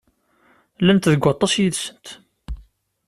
Llant deg aṭas yid-sent.